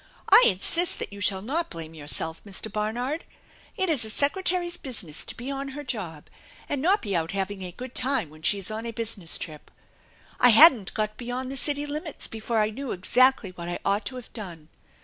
I insist that you shall not blame yourself, Mr. Barnard. It is a secretary's business to be on her job and not be out having a good time when she is on a business trip. I hadn't got beyond the city limits before I knew exactly what I ought to have done.